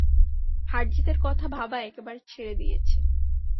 হারজিতের কথা ভাবা একেবারে ছেড়ে দিয়েছি।